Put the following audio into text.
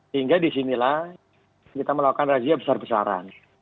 sehingga disinilah kita melakukan razia besar besaran